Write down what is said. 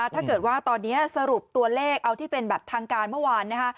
ถ้าเกิดว่าตอนนี้สรุปตัวเลขเอาที่เป็นแบบทางการเมื่อวานนะคะ